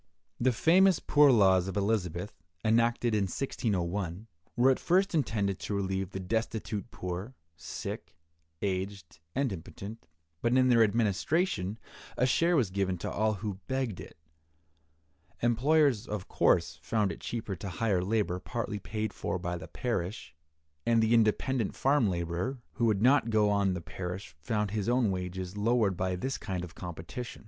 The famous poor laws of Elizabeth, enacted in 1601, were at first intended to relieve the destitute poor, sick, aged, and impotent, but in their administration a share was given to all who begged it. Employers, of course, found it cheaper to hire labor partly paid for by the parish, and the independent farm laborer who would not go on the parish found his own wages lowered by this kind of competition.